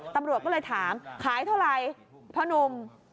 ตำรวจก็เลยถามขายเท่าไหร่พ่อนุ่ม